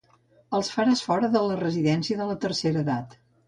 Els faràs fora de la residència de la tercera edat.